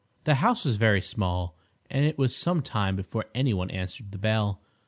The house was very small, and it was some time before any one answered the bell.